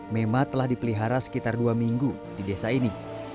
mema telah dipelihara sekitar dua minggu di desa ini